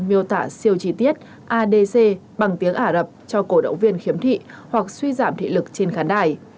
miêu tả siêu chi tiết adc bằng tiếng ả rập cho cổ động viên khiếm thị hoặc suy giảm thị lực trên khán đài